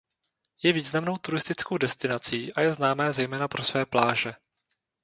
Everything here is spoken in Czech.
Je významnou turistickou destinací a je známé zejména pro své pláže.